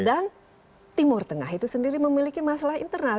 dan timur tengah itu sendiri memiliki masalah internal